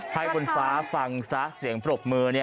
ให้คุณฟ้าฟังซะเสียงปรบมือเนี่ย